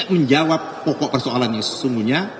menjawab pokok persoalan yang sesungguhnya